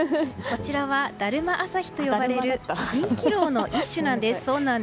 こちらは、だるま朝日と呼ばれる蜃気楼の一種なんです。